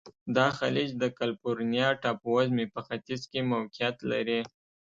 دا خلیج د کلفورنیا ټاپو وزمي په ختیځ کې موقعیت لري.